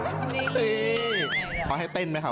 วันนี้เกี่ยวกับกองถ่ายเราจะมาอยู่กับว่าเขาเรียกว่าอะไรอ่ะนางแบบเหรอ